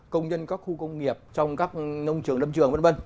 công nhân các khu công nghiệp trong các nông trường lâm trường v v